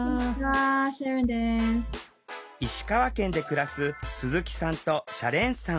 石川県で暮らす鈴木さんとシャレーンさん。